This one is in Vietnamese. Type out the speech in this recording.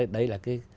đấy là cái